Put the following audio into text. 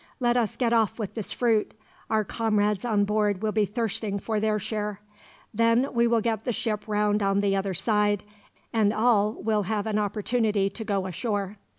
Let us get off with this fruit. Our comrades on board will be thirsting for their share. Then we will get the ship round on the other side; and all will have an opportunity to go ashore."